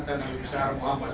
dan di besar muhammad saw